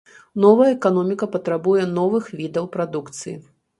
Новая эканоміка патрабуе новых відаў прадукцыі.